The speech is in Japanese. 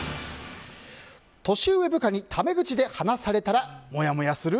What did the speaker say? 年上部下にタメ口で話されたらもやもやする？